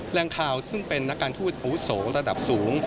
แรงข่าวซึ่งเป็นนักการทูตอาวุโสระดับสูง